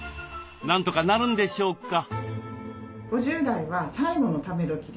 なんとかなるんでしょうか？